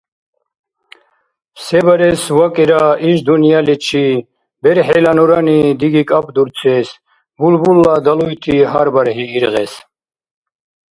Се барес вакӏира иш дунъяличи? Берхӏила нурани диги кӏапӏдурцес, Булбулла далуйти гьар бархӏи иргъес,